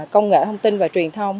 công nghệ thông tin và truyền thông